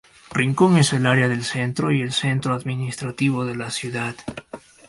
Rincón es el área del centro y el centro administrativo de la ciudad.